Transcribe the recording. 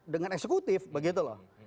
dengan eksekutif begitu loh